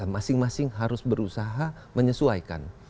masing masing harus berusaha menyesuaikan